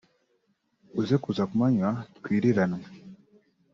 uze kuza ku manywa twiririranwe